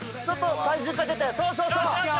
ちょっと体重かけて。